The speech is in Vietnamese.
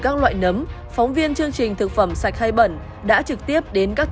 và cũng không thể tìm được hạn sử dụng của sản phẩm